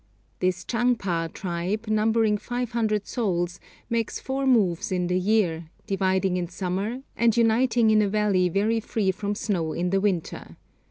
This Chang pa tribe, numbering five hundred souls, makes four moves in the year, dividing in summer, and uniting in a valley very free from snow in the winter.